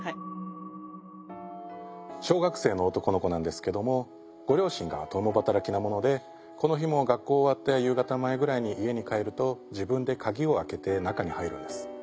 小学生の男の子なんですけどもご両親が共働きなものでこの日も学校終わって夕方前ぐらいに家に帰ると自分でカギを開けて中に入るんです。